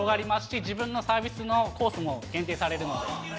自分のサービスのコースも限定されるので。